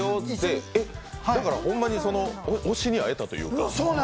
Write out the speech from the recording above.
だからホンマに推しに会えたというか。